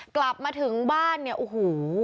กลับมาถึงบ้านเนี่ยโอ้โห